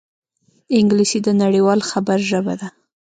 انګلیسي د نړيوال خبر ژبه ده